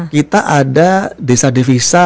kita ada desa devisa